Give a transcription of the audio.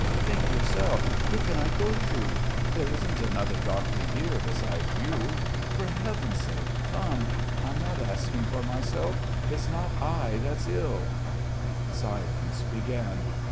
Think yourself who can I go to? There isn't another doctor here besides you. For heaven's sake come. I'm not asking for myself. It's not I that's ill!" Silence began.